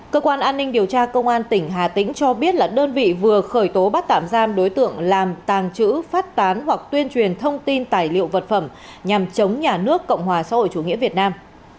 cơ quan an ninh điều tra công an tỉnh hà tĩnh cho biết là đơn vị vừa khởi tố bắt tạm giam đối tượng làm tàng trữ phát tán hoặc tuyên truyền thông tin tài liệu vật phẩm nhằm chống nhà nước cộng hòa xã hội chủ nghĩa việt nam